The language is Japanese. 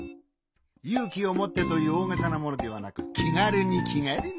「ゆうきをもって！」というおおげさなものではなくきがるにきがるに。